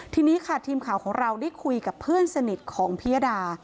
ทีนี้ค่ะทีมข่าวของเราได้คุยกับเพื่อนสนิทของพิยดา